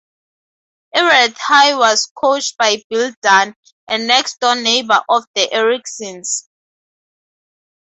Everett High was coached by Bill Dunn, a next-door neighbor of the Ericksons.